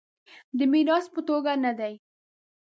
د میراث په توګه نه دی.